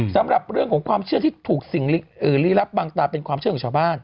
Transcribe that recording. สำหรับเรื่องของความเชื่อที่ถูกสิ่งลี้ลับบางตาเป็นความเชื่อของชาวบ้าน